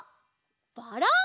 バラン。